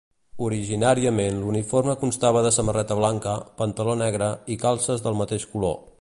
Originàriament l'uniforme constava de samarreta blanca, pantaló negre i calces del mateix color.